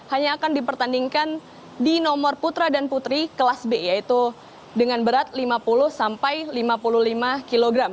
hanya akan dipertandingkan di nomor putra dan putri kelas b yaitu dengan berat lima puluh sampai lima puluh lima kg